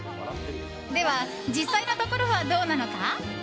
では、実際のところはどうなのか。